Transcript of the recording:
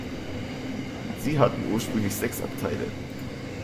Sie hatten ursprünglich sechs Abteile.